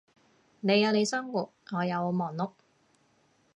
你有你生活，我有我忙碌